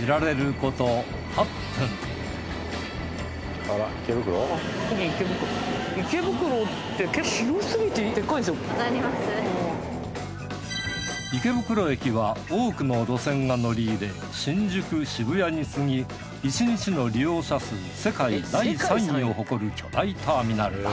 揺られること８分池袋駅は多くの路線が乗り入れ新宿渋谷に次ぎ１日の利用者数世界第３位を誇る巨大ターミナルだ